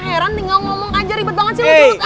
heran tinggal ngomong aja ribet banget sih lo terus ah